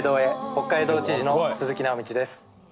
北海道知事の鈴木直道です。